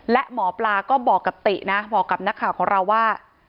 และหมอปลาก็บอกกับตินะบอกกับนักข่าวของเราว่า